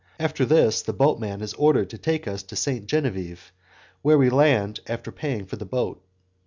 After this, the boatman is ordered to take us to Saint Genevieve, where we land, after paying for the boat.